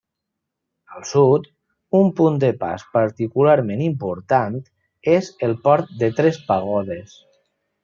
Al sud, un punt de pas particularment important és el Port de Tres Pagodes.